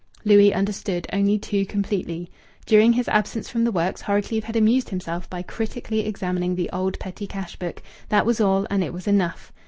Louis understood, only too completely. During his absence from the works Horrocleave had amused himself by critically examining the old petty cash book. That was all, and it was enough.